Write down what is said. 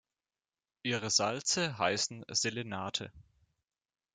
Ihre Salze heißen Selenate.